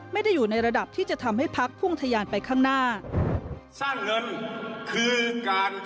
ไม่ได้อยู่ในระดับที่จะทำให้พักพุ่งทะยานไปข้างหน้า